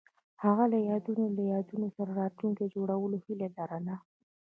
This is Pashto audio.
هغوی د یادونه له یادونو سره راتلونکی جوړولو هیله لرله.